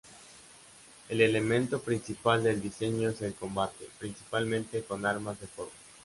El elemento principal del diseño es el combate, principalmente con armas de fuego.